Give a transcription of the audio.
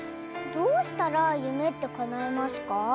どうしたらゆめってかないますか？